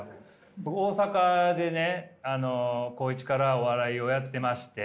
僕大阪でね高１からお笑いをやってまして。